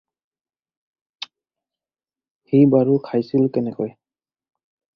সি বাৰু খাইছিল কেনেকৈ?